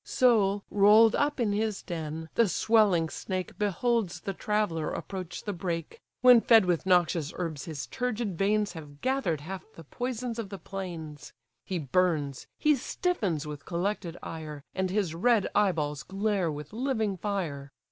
So, roll'd up in his den, the swelling snake Beholds the traveller approach the brake; When fed with noxious herbs his turgid veins Have gather'd half the poisons of the plains; He burns, he stiffens with collected ire, And his red eyeballs glare with living fire.